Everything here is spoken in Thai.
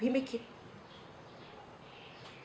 แล้วบอกว่าไม่รู้นะ